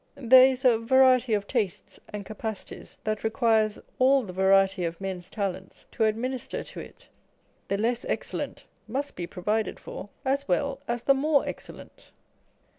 There is a variety of tastes and capacities that requires all the variety of men's talents to administer to it. The less excellent must be provided for as well as the more excellent.